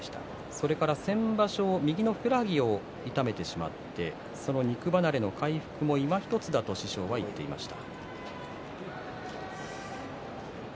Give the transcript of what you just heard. それから先場所右のふくらはぎを痛めてしまってその肉離れの回復がいまひとつだと師匠は言っていました。